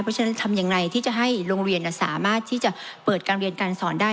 เพราะฉะนั้นทำอย่างไรที่จะให้โรงเรียนสามารถที่จะเปิดการเรียนการสอนได้